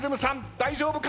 大丈夫か？